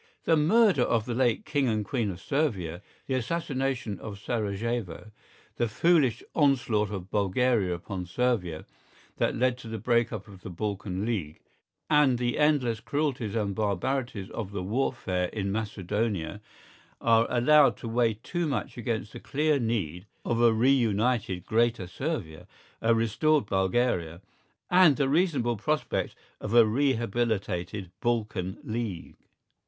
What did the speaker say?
The murder of the late King and Queen of Servia, the assassination of Serajevo, the foolish onslaught of Bulgaria upon Servia that led to the break up of the Balkan League, and the endless cruelties and barbarities of the warfare in Macedonia, are allowed to weigh too much against the clear need of a reunited Greater Servia, a restored Bulgaria, and the reasonable prospect of a rehabilitated Balkan League.